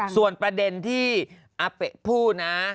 ส่วนประเด็นที่อาเปะพูดนะ